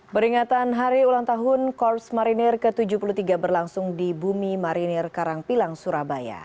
peringatan hari ulang tahun korps marinir ke tujuh puluh tiga berlangsung di bumi marinir karangpilang surabaya